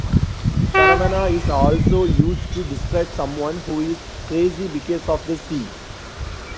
Taravana is also used to describe someone who is "crazy because of the sea".